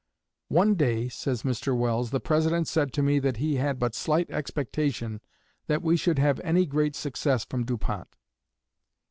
"One day," says Mr. Welles, "the President said to me that he had but slight expectation that we should have any great success from Du Pont.